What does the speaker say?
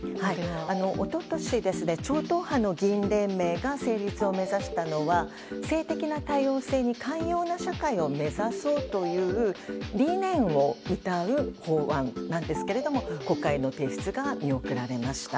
一昨年、超党派の議員連盟が成立を目指したのは性的な多様性に寛容な社会を目指そうという理念をうたう法案なんですが国会の提出が見送られました。